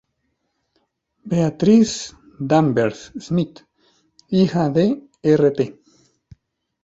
Beatrice Danvers Smith, hija de Rt.